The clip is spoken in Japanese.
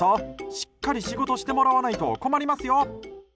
しっかり仕事してもらわないと困りますよ。